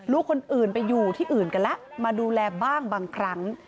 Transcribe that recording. ลูกคนอื่นไปอยู่ที่อื่นกันแล้วมาดูแลบ้างบางครั้ง